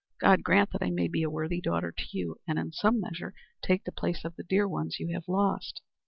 God grant that I may be a worthy daughter to you and in some measure take the place of the dear ones you have lost."